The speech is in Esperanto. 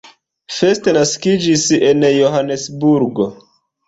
First naskiĝis en Johanesburgo.